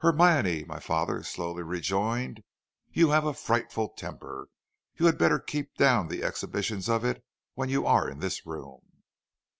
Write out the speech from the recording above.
"'Hermione,' my father slowly rejoined, 'you have a frightful temper. You had better keep down the exhibitions of it when you are in this room.'